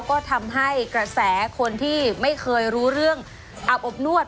ก็ทำให้กระแสคนที่ไม่เคยรู้เรื่องอาบอบนวด